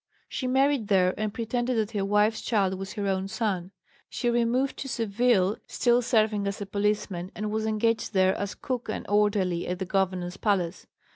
She married there and pretended that her wife's child was her own son. She removed to Seville, still serving as a policeman, and was engaged there as cook and orderly at the governor's palace.